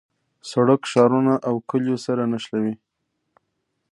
سړک ښارونه او کلیو سره نښلوي.